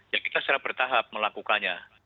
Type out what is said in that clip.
ya kita secara bertahap melakukannya